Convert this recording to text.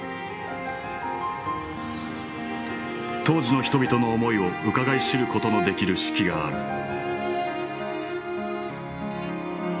当時の人々の思いをうかがい知ることのできる手記がある。